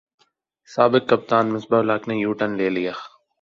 سابق کپتان مصباح الحق نے یوٹرن لے لیا